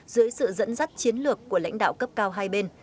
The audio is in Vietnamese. dưới sự dẫn dắt chiến lược của lãnh đạo cấp cao hai bên